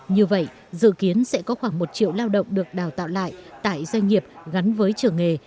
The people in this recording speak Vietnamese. như vậy dự kiến sẽ có khoảng một triệu lao động được đào tạo lại tại doanh nghiệp gắn với trường nghề